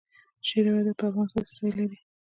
شعر او ادب په افغانستان کې څه ځای لري؟